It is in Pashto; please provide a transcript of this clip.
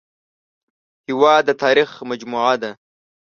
هېواد د تاریخ مجموعه ده